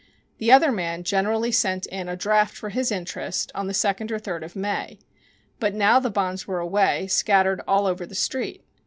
The other man generally sent in a draft for his interest on the second or third of May. But now the bonds were away, scattered all over the Street.